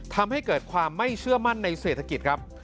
ทำให้เกิดความไม่เชื่อมั่นในเศรษฐกิจครับ